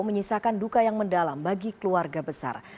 menyisakan duka yang mendalam bagi keluarga besar